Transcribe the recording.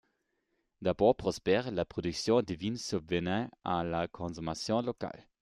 D'abord prospère, la production de vin subvenait à la consommation locale.